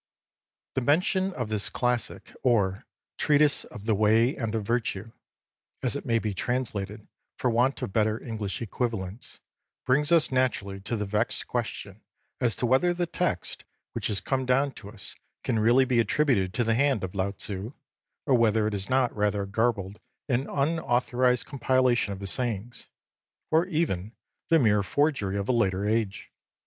The mention of this classic, or " Treatise of the Way and of Virtue " (as it may be translated for want of better English equivalents), brings us naturally to the vexed question as to whether the text which has come down to us can really be attributed to the hand of Lao Tzu, or whether it is not rather a garbled and unauthorised com pilation of his sayings, or even the mere forgery of a later age.